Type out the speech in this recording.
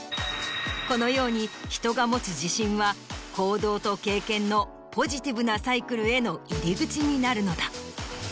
このように人が持つ自信は行動と経験のポジティブなサイクルへの入り口になるのだ。